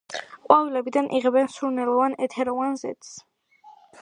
ყვავილებიდან იღებენ სურნელოვან ეთეროვან ზეთს.